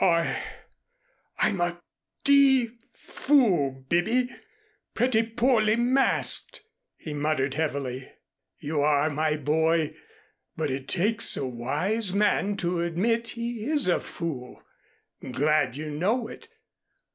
"I I'm a d fool, Bibby, pretty poorly masked," he muttered heavily. "You are, my boy. But it takes a wise man to admit he is a fool. Glad you know it.